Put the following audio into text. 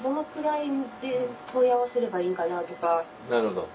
なるほど。